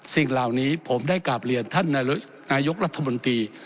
สิ่งเหล่านี้ผมได้กราบเรียนท่านนายกรัฐมนตรี